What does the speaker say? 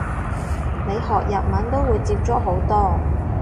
你學日文都會接觸好多